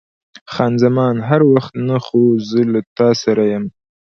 خان زمان: هر وخت نه، خو زه له تا سره یم.